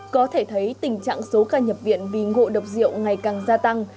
có thể thấy tình trạng số ca nhập viện vì ngộ độc rượu ngày càng gia tăng